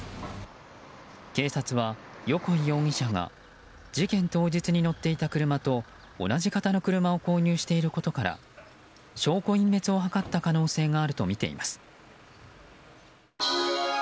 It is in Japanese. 警察は、横井容疑者が事件当日に乗っていた車と同じ型の車を購入していることから証拠隠滅を図った可能性があるとみています。